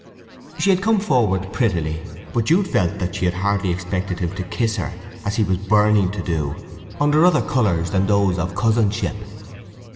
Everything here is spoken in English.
She had come forward prettily, but Jude felt that she had hardly expected him to kiss her, as he was burning to do, under other colours than those of cousinship.